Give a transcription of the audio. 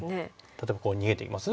例えばこう逃げていきます？